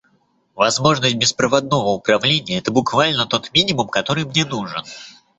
Возможность беспроводного управления — это буквально тот минимум, который мне нужен.